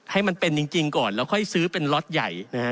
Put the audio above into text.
ให้มันเป็นจริงก่อนแล้วค่อยซื้อเป็นล็อตใหญ่นะฮะ